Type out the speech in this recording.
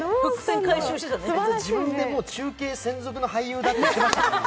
自分で中継専属の俳優だって言ってましたね。